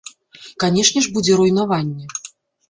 Канечне ж будзе руйнаванне.